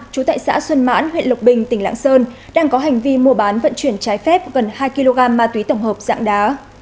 trú tại xã xuân mãn huyện lộc bình tỉnh lạng sơn đang có hành vi mua bán vận chuyển trái phép gần hai kg ma túy tổng hợp dạng đá